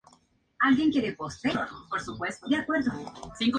La serie se volvió a emitir en varias cadenas de la televisión francesa.